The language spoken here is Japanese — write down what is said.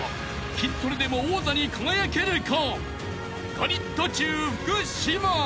［筋トレでも王座に輝けるか？］